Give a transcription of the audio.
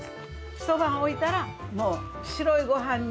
一晩置いたら、もう白いごはんに。